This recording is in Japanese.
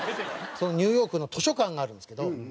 ニューヨークの図書館があるんですけど。